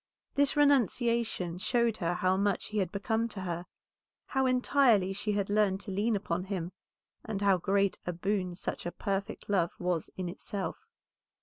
This renunciation showed her how much he had become to her, how entirely she had learned to lean upon him, and how great a boon such perfect love was in itself.